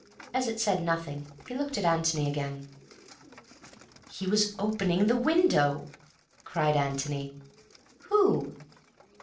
As it said nothing, he looked at Antony again. "He was opening the window!" cried Antony. "Who?"